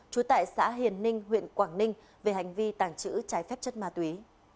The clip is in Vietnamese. trú tại xã hiền ninh huyện quảng ninh về hành vi tàng trữ trái phép chất ma túy